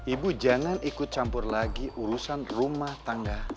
ibu jangan ikut campur lagi urusan rumah tangga